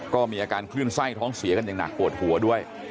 ก็มีอาการคลื่นไส้ท้องเสียกันอย่างหนักปวดหัวด้วย